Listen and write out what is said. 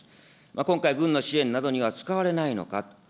今回、軍の支援などには使われないのか。